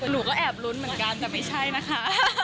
หนูก็แอบลุ้นเหมือนกันแต่ไม่ใช่นะคะ